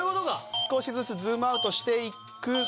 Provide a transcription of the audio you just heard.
少しずつズームアウトしていくが。